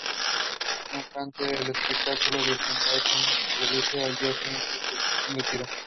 No obstante, el esperado desembarco no se produce y al día siguiente se retira.